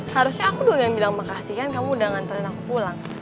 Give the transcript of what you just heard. harusnya aku dulu yang bilang makasih kan kamu udah nganterin aku pulang